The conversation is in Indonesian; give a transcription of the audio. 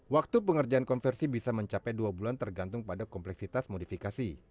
waktu pengerjaan konversi bisa mencapai dua bulan tergantung pada kompleksitas modifikasi